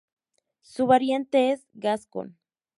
Su variante es "Gascón".